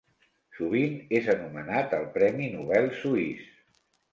Sovint és anomenat el Premi Nobel suís.